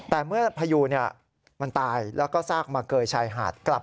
แต่เมื่อพยูมันตายแล้วก็ซากมาเกยชายหาดกลับ